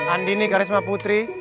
andini karisma putri